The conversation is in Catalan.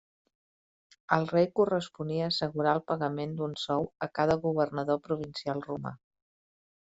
Al rei corresponia assegurar el pagament d'un sou a cada governador provincial romà.